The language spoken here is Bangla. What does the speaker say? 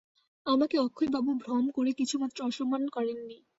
আমাকে অক্ষয়বাবু ভ্রম করে কিছুমাত্র অসম্মান করেন নি।